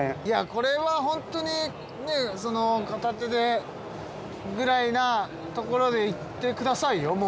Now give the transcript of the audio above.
いやこれはホントにね片手でくらいなところでいってくださいよ。